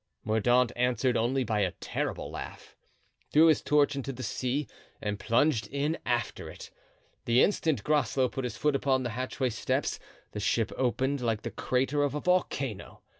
Mordaunt answered only by a terrible laugh, threw his torch into the sea and plunged in after it. The instant Groslow put his foot upon the hatchway steps the ship opened like the crater of a volcano.